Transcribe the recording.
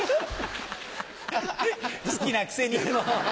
好きなくせに。